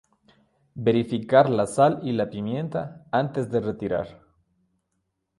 Verificar la sal y la pimienta antes de retirar.